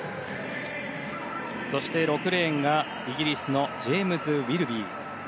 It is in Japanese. そして、６レーンがイギリスのジェームズ・ウィルビー。